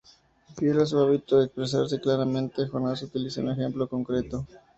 Fiel a su hábito de expresarse claramente, Jonas utiliza un ejemplo concreto.